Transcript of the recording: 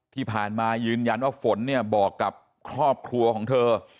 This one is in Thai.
ที่ผ่านมายืนยันว่าฝนเนี่ยบอกกับครอบครัวของเธอ